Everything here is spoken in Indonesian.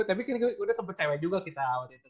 tapi udah sempat cewek juga kita